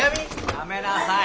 やめなさい。